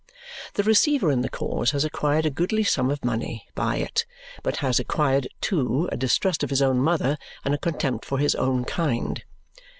The receiver in the cause has acquired a goodly sum of money by it but has acquired too a distrust of his own mother and a contempt for his own kind.